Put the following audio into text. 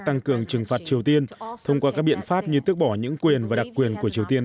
tăng cường trừng phạt triều tiên thông qua các biện pháp như tước bỏ những quyền và đặc quyền của triều tiên